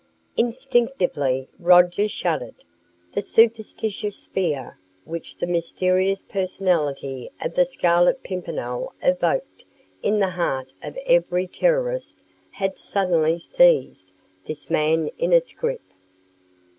Instinctively, Roger shuddered. The superstitious fear which the mysterious personality of the Scarlet Pimpernel evoked in the heart of every Terrorist had suddenly seized this man in its grip.